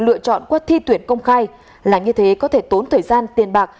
lựa chọn qua thi tuyển công khai là như thế có thể tốn thời gian tiền bạc